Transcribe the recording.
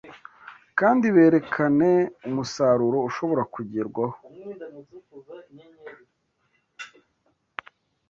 kandi berekane umusaruro ushobora kugerwaho